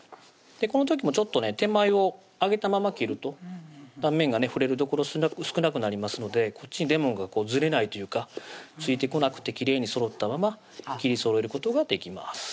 この時もちょっとね手前を上げたまま切ると断面がね触れる所少なくなりますのでこっちにレモンがずれないというかついてこなくてきれいにそろったまま切りそろえることができます